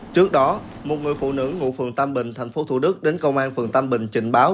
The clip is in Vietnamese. trước đó một người phụ nữ ngụ phường tam bình tp thủ đức đến công an phường tâm bình trình báo